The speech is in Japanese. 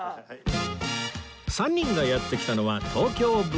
３人がやって来たのは東京豚饅